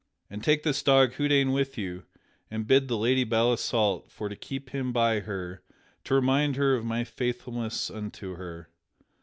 And take this dog Houdaine with you and bid the Lady Belle Isoult for to keep him by her to remind her of my faithfulness unto her.